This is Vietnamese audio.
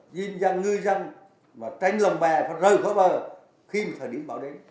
di dân ngư dân và tranh lồng bè phải rời khỏi bờ khi mà thời điểm bão đến